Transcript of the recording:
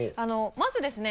まずですね